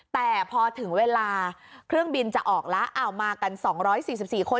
แต่พอถึงเวลาเครื่องบินจะออกแล้วมากัน๒๔๔คน